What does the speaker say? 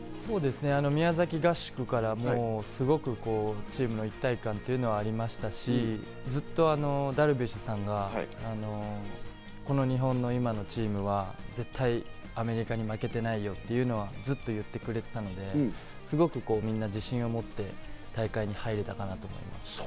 宮崎合宿からもチームの一体感というのはありましたし、ずっとダルビッシュさんが、この日本の今のチームは絶対アメリカに負けてないよというのはずっと言ってくれていたので、すごくみんな自信を持って大会に入れたなと思います。